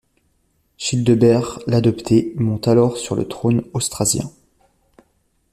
Childebert l'Adopté monte alors sur le trône austrasien.